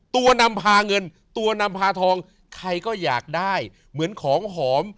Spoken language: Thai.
นำพาเงินตัวนำพาทองใครก็อยากได้เหมือนของหอม